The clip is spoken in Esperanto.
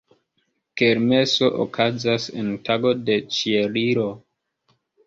Kermeso okazas en tago de Ĉieliro.